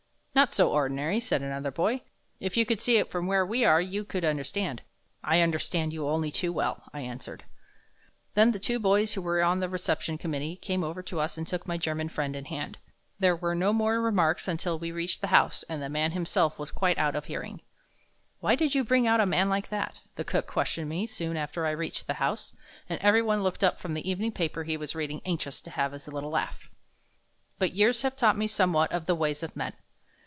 "Not so ordinary," said another boy. "If you could see it from where we are you could understand." "I understand you only too well," I answered. Then the two boys who were on the Reception Committee came over to us and took my German friend in hand. There were no more remarks until we reached the house and the man himself was quite out of hearing. "Why did you bring out a man like that?" the cook questioned me soon after I reached the house, and every one looked up from the evening paper he was reading anxious to have his little laugh. But years have taught me somewhat of the ways of men.